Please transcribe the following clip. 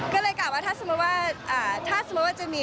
ก็เลยกลับว่าถ้าสมมติว่าจะมี